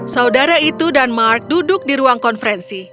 saudara itu dan mark duduk di ruang konferensi